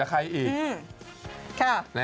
ไปบ๊ายบายสวัสดีค่ะ